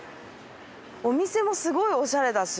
お店もすごいおしゃれだし。